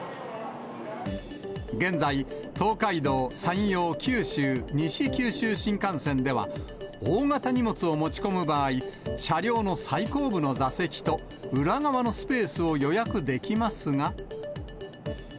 現在、東海道、山陽、九州、西九州新幹線では、大型荷物を持ち込む場合、車両の最後部の座席と裏側のスペースを予約できますが。